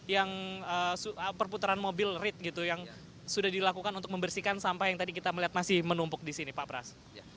yang perputaran mobil rit gitu yang sudah dilakukan untuk membersihkan sampah yang tadi kita melihat masih menumpuk di sini pak pras